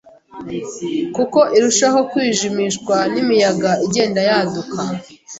kuko irushaho kwijimishwa n’imiyaga igenda yaduka,